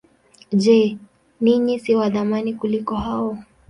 Je, ninyi si wa thamani kuliko hao?